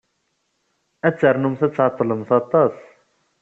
Ad ternumt ad tɛeḍḍlemt aṭas?